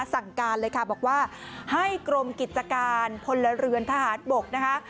สั่งการเลยค่ะบอกว่าให้กรมกิจการพลเรือนทหารบกนะคะ